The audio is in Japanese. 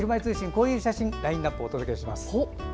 こういう写真のラインナップでお届けします。